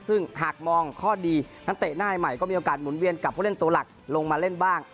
ซึ่งหากมองข้อดีนักเตะหน้าใหม่ก็มีโอกาสหมุนเวียนกับผู้เล่นตัวหลักลงมาเล่นบ้าง